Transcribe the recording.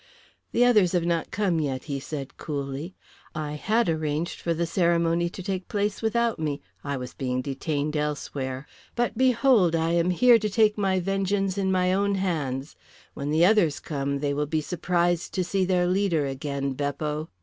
"The others have not come yet," he said coolly. "I had arranged for the ceremony to take place without me. I was being detained elsewhere. But behold I am here to take my vengeance in my own hands. When the others come they will be surprised to see their leader again, Beppo."